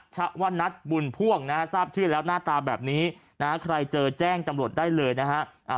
ชะวนัทบุญพ่วงนะฮะทราบชื่อแล้วหน้าตาแบบนี้นะฮะใครเจอแจ้งจำรวจได้เลยนะฮะ